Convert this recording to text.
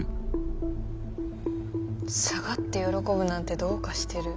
下がって喜ぶなんてどうかしてる。